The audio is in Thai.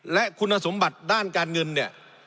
และคุณสมบัติด้านการเงินเนี่ย